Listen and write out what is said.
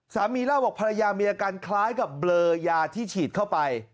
สามีเล่าบอกภรรยามีอาการคล้ายกับเบลอยาที่ฉีดเข้าไป